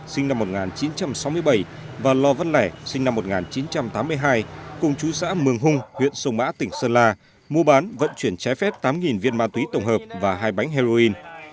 sinh năm một nghìn chín trăm tám mươi hai cùng chú xã mường hung huyện sông mã tỉnh sơn la mua bán vận chuyển trái phép tám viên ma túy tổng hợp và hai bánh heroin